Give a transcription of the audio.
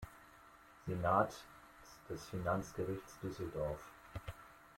Senats des Finanzgerichts Düsseldorf.